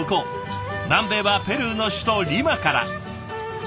南米はペルーの首都リマから。